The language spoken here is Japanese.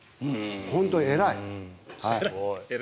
本当に偉い。